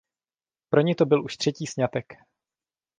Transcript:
Pro ni to byl už třetí sňatek.